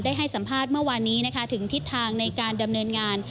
ให้สัมภาษณ์เมื่อวานนี้นะคะถึงทิศทางในการดำเนินงาน